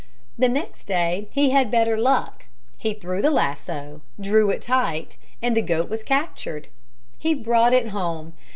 The next day he had better luck. He threw the lasso, drew it tight and the goat was captured. He brought it home.